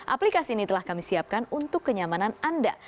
aplikasi ini telah kami siapkan untuk kenyamanan anda